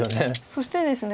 そしてですね